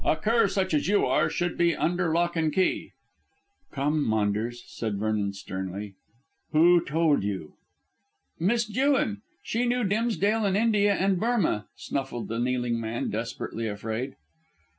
A cur such as you are should be under lock and key." "Come, Maunders," said Vernon sternly, "who told you?" "Miss Jewin. She knew Dimsdale in India and Burmah," snuffled the kneeling man, desperately afraid.